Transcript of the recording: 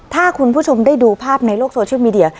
ถ้าคุณผู้ชมได้ดูภาพในโลกโซเชียลมีเดีย